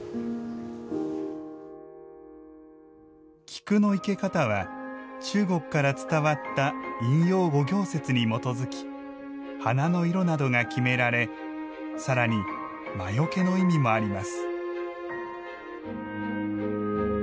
菊の生け方は中国から伝わった陰陽五行説に基づき花の色などが決められさらに魔除けの意味もあります。